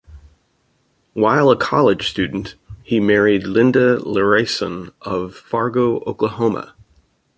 While a college student, he married Linda Larason of Fargo, Oklahoma.